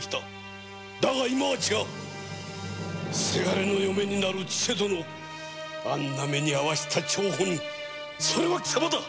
だがセガレの嫁になる千世殿をあんな目に遭わせた張本人それは貴様だ！